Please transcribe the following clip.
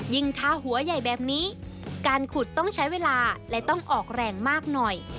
ทาหัวใหญ่แบบนี้การขุดต้องใช้เวลาและต้องออกแรงมากหน่อย